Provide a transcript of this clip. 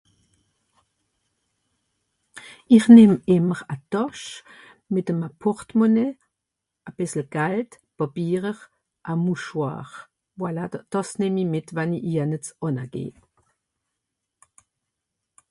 Ich nemm ìmmer a Tàsch, mìt'eme Porte-Monnaie, a bìssel Gald, Pàpierer, a Mouchoir. Voilà. Dà... dàs nemm i mìt wenn i (...) ànna geh.